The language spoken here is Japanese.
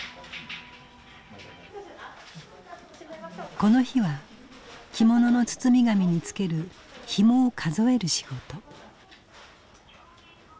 この日は着物の包み紙に付けるひもを数える仕事。